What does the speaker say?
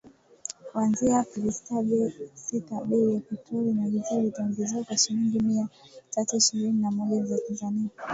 kuanzia Aprili sita bei ya petroli na dizeli itaongezeka kwa shilingi mia tatu ishirini na moja za Tanzania.